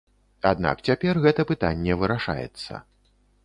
Аднак цяпер гэта пытанне вырашаецца.